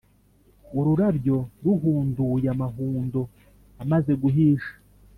ururabyo ruhunduye, amahundo amaze guhisha,